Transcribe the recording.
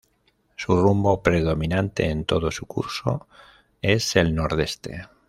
Su rumbo predominante en todo su curso es el nordeste.